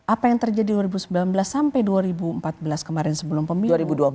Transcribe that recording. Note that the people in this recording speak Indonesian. apa yang terjadi dua ribu sembilan belas sampai dua ribu empat belas kemarin sebelum pemilu